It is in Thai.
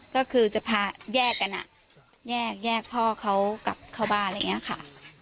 ก็คือจะพาแยกกันอ่ะแยกพ่อเขากลับเข้าบ้านอะไรอย่างนี้ค่ะ